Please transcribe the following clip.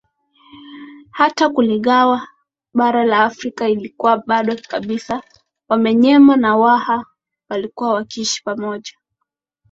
Hata kuligawa bara la Afrika ilikuwa bado kabisa wamanyema na waha walikuwa wakiishi pamoja